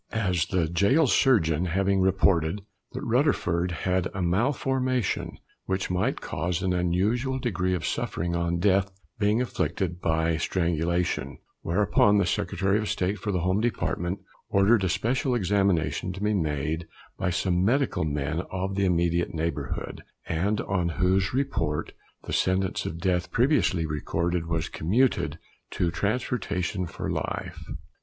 As the gaol surgeon having reported that Rutterford had a malformation which might cause an unusual degree of suffering on death being inflicted by strangulation, whereupon the Secretary of State for the Home Department ordered a special examination to be made by some medical men of the immediate neighbourhood, and on whose report the sentence of death previously recorded was commuted to transportation for life!